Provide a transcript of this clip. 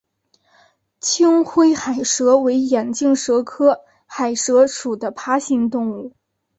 青灰海蛇为眼镜蛇科海蛇属的爬行动物。